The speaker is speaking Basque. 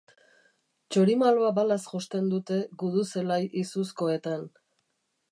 Txorimaloa balaz josten dute gudu-zelai izuzkoetan.